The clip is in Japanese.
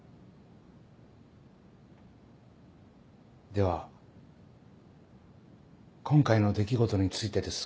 では今回の出来事についてですが。